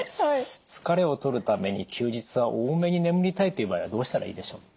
疲れを取るために休日は多めに眠りたいという場合はどうしたらいいでしょう？